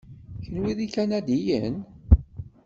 Kenwi d ikanadiyen?